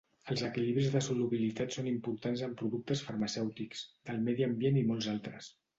Els equilibris de solubilitat són importants en productes farmacèutics, del medi ambient i molts altres.